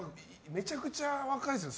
めちゃくちゃ若いですね。